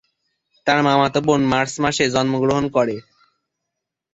তার মামাতো বোন মার্চ মাসে জন্মগ্রহণ করে।